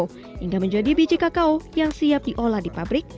hingga menjadi biji kakao yang siap diolah di pabrik